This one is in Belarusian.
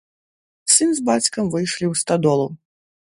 Сын з бацькам выйшлі ў стадолу.